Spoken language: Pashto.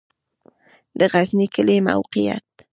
د غزنی کلی موقعیت